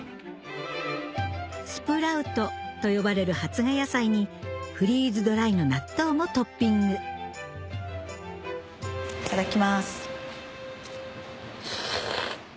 スプラウトと呼ばれる発芽野菜にフリーズドライの納豆もトッピングいただきます。